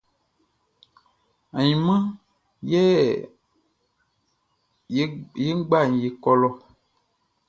Ainman ye nʼgba ye kɔ lɔ.